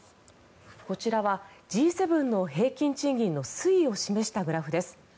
こちらはＧ７の平均賃金の推移を示したグラフです。